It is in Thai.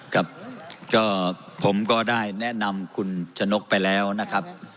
ครับก็ผมก็ได้แนะนำคุณชะนกไปแล้วนะครับ